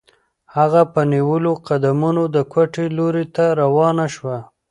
هغه په نیولو قدمونو د کوټې لوري ته روانه شوه.